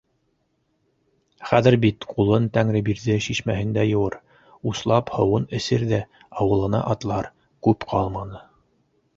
Хәҙер бит-ҡулын Тәңребирҙе шишмәһендә йыуыр, услап һыуын эсер ҙә - ауылына атлар, күп ҡалманы...